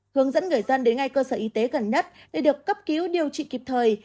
hướng dẫn người dân đến ngay cơ sở y tế gần nhất để được cấp cứu điều trị kịp thời